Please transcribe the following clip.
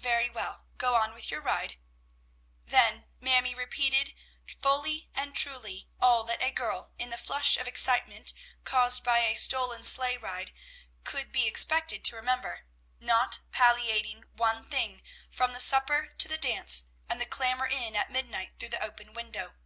"Very well, go on with your ride." Then Mamie repeated fully and truly all that a girl in the flush of excitement caused by a stolen sleigh ride could be expected to remember, not palliating one thing, from the supper to the dance, and the clamber in at midnight through the open window.